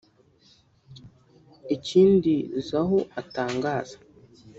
Ikindi Zhou atangaza